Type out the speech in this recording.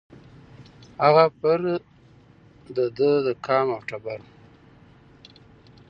هغه پر د ده د قام او د ټبر وو